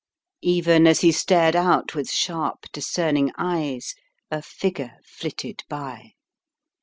Even as he stared out with sharp, discerning eyes, a figure flitted by.